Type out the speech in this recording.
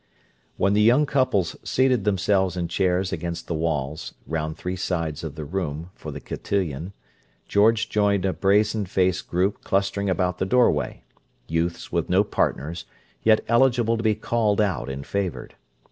When the young couples seated themselves in chairs against the walls, round three sides of the room, for the cotillion, George joined a brazen faced group clustering about the doorway—youths with no partners, yet eligible to be "called out" and favoured.